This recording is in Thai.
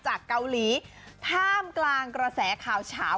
จากเกาหลีถ้ามกลางกระแสขาว